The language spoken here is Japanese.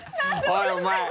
おいお前。